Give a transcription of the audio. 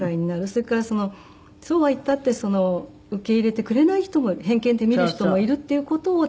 それからそうは言ったって受け入れてくれない人も偏見で見る人もいるっていう事をちゃんと正しく伝えないと。